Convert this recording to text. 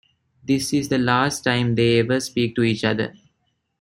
This is the last time they ever speak to each other.